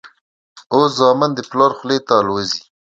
اوس زامن د پلار خولې ته الوزي.